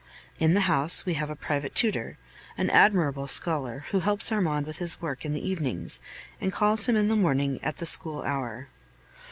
In the house we have a private tutor, an admirable scholar, who helps Armand with his work in the evenings, and calls him in the morning at the school hour.